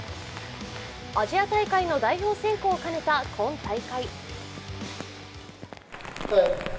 アジア大会の代表選考を兼ねた今大会。